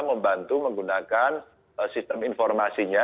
membantu menggunakan sistem informasinya